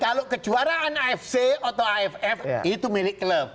kalau kejuaraan afc atau aff itu milik klub